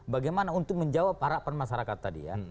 bagaimana untuk menjawab harapan masyarakat tadi ya